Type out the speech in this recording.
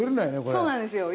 そうなんですよ。